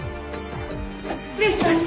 失礼します。